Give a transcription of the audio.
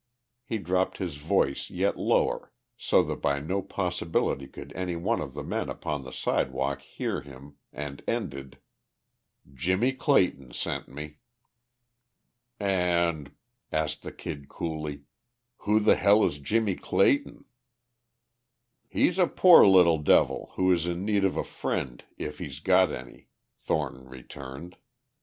He dropped his voice yet lower so that by no possibility could any one of the men upon the sidewalk hear him, and ended, "Jimmie Clayton sent me." "An'," asked the Kid coolly, "who the hell is Jimmie Clayton?" "He's a poor little devil who is in need of a friend, if he's got any," Thornton returned.